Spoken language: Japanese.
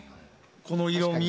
この色味。